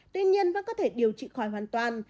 tuy nhiên vẫn có thể điều trị khỏi hoàn toàn